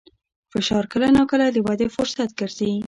فشار کله ناکله د ودې فرصت ګرځي.